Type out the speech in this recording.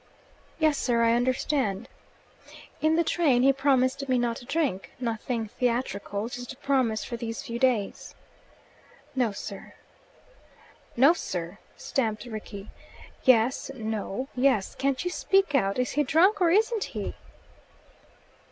"Yes, sir; I understand." "In the train he promised me not to drink nothing theatrical: just a promise for these few days." "No, sir." "'No, sir,'" stamped Rickie. "'Yes! no! yes!' Can't you speak out? Is he drunk or isn't he?"